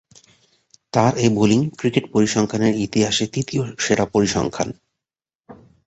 তার এ bowling cricket বিশ্বকাপের ইতিহাসে তৃতীয় সেরা পরিসংখ্যান।